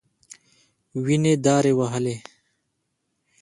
وينې دارې وهلې.